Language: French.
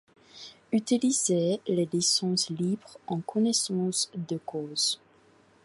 Utiliser les licences libres en connaissance de cause.